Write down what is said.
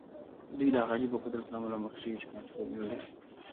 دوی د هغه عجيبه قدرت له امله مخ شوي چې کنټرول نه لري.